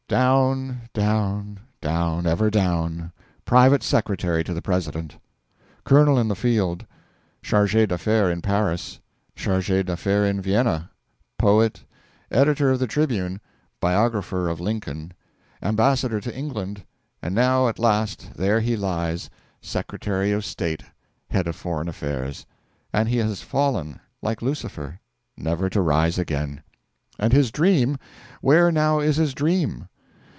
Down down down ever down: Private Secretary to the President; Colonel in the field; Charge d'Affaires in Paris; Charge d'Affaires in Vienna; Poet; Editor of the Tribune; Biographer of Lincoln; Ambassador to England; and now at last there he lies Secretary of State, Head of Foreign Affairs. And he has fallen like Lucifer, never to rise again. And his dream where now is his dream?